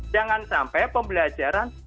jangan sampai pembelajaran